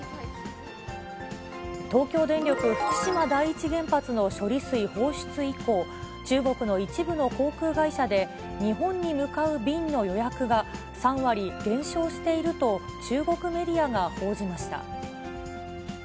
東京電力福島第一原発の処理水放出以降、中国の一部の航空会社で、日本に向かう便の予約が３割減少していると、中国メディアが報じました。